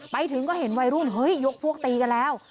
ไปถึงก็เห็นวัยรุ่นเฮ้ยยกพวกตีกันแล้ว